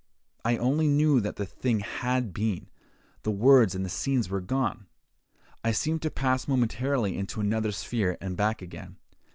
I only knew that the thing had been; the words and the scenes were gone. I seemed to pass momentarily into another sphere and back again.